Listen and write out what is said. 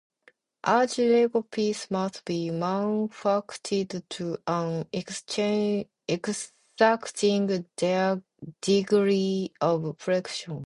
Each Lego piece must be manufactured to an exacting degree of precision.